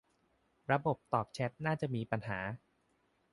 ระบบตอบแชตน่าจะมีปัญหา